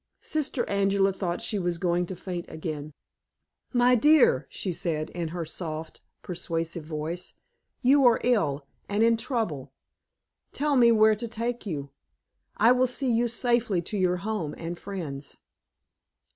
Sister Angela thought she was going to faint again. "My dear," she said in her soft, persuasive voice, "you are ill and in trouble. Tell me where to take you. I will see you safely to your home and friends."